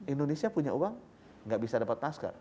indonesia punya uang nggak bisa dapat masker